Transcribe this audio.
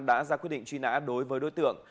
đã ra quyết định truy nã đối với đối tượng